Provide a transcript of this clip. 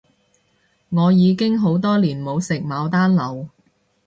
我已經好多年冇食牡丹樓